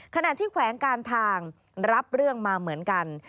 ขณะที่แขวงการทางรับเรื่องมาเหมือนกัน